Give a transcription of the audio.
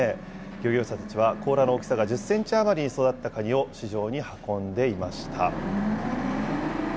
漁業者たちは甲羅の大きさが１０センチ余りに育ったカニを市場に運んでいました。